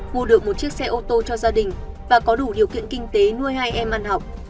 mua được một chiếc xe ô tô cho gia đình và có đủ điều kiện kinh tế nuôi hai em ăn học